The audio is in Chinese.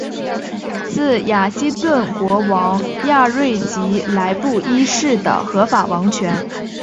自雅西顿国王亚瑞吉来布一世的合法王权。